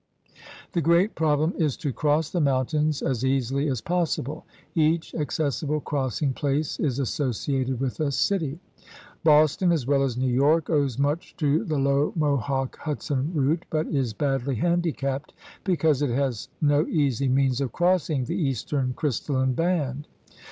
The great problem is to cross the mountains as easily as possible. Each accessible crossing place is associated with a city. Boston, as well as New York, owes much to the low Mohawk Hudson route, but is badly handicapped because it has no easy means of crossing the eastern crystalline band.